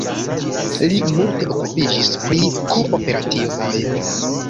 Li multe okupiĝis pri kooperativoj.